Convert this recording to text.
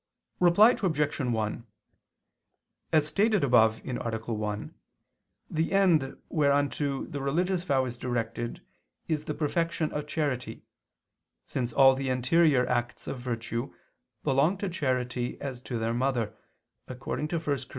Reply Obj. 1: As stated above (A. 1), the end whereunto the religious vow is directed is the perfection of charity, since all the interior acts of virtue belong to charity as to their mother, according to 1 Cor.